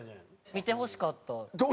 見てほしかったなあ。